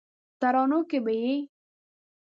ترانو کې به یې